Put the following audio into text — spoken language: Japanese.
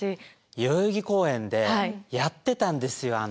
代々木公園でやってたんですよ。